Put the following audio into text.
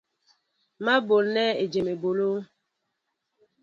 Mă ɓolnέ ejém ebolo.